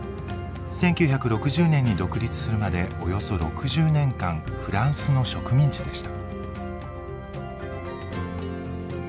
１９６０年に独立するまでおよそ６０年間フランスの植民地でした。